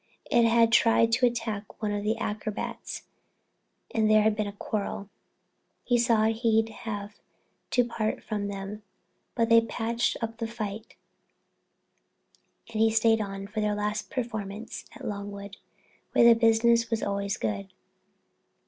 It had tried to attack one of the acrobats and there had been a quarrel. He saw he'd have to part from them, but they patched up the fight and he stayed on for their last performance at Longwood, where the business was always good.